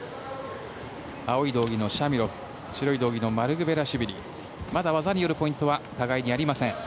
青い道着のシャミロフ白い道着のマルクベラシュビリまだ技によるポイントは互いにありません。